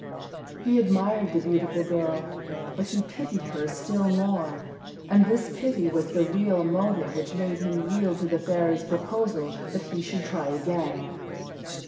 He admired the beautiful girl, but he pitied her still more, and this pity was the real motive which made him yield to the fairy's proposal that he should try again.